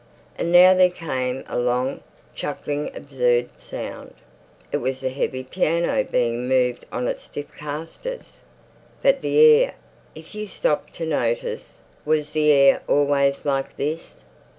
And now there came a long, chuckling absurd sound. It was the heavy piano being moved on its stiff castors. But the air! If you stopped to notice, was the air always like this?